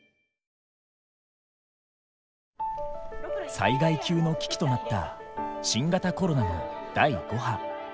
災害級の危機となった新型コロナの第５波。